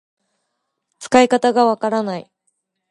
使い方がわからない